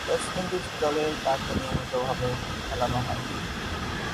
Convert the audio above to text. West Indies দলে তাকে নিয়মিতভাবে খেলানো হয়নি।